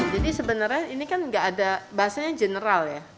jadi sebenarnya ini kan gak ada bahasanya general ya